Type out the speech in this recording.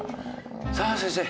さあ先生。